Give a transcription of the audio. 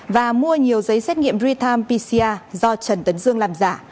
và mua nhiều giấy xét nghiệm ritam pcr do trần tấn dương làm giả